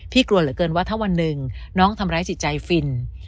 กลัวเหลือเกินว่าถ้าวันหนึ่งน้องทำร้ายจิตใจฟิน